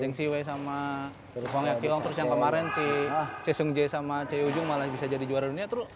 yang si wei sama wong hyuk ki yang kemarin si si sung jae sama c ujung malah bisa jadi juara dunia